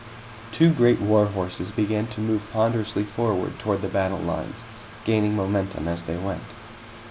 Two great war horses began to move ponderously forward toward the battle lines, gaining momentum as they went.